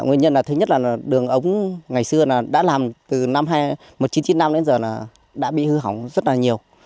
nguyên nhân là thứ nhất là đường ống ngày xưa đã làm từ năm một nghìn chín trăm chín mươi năm đến giờ đã bị hư hỏng rất là nhiều